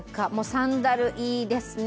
サンダルいいですね